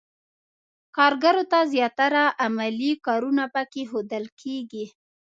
کارګرو ته زیاتره عملي کارونه پکې ښودل کېدل.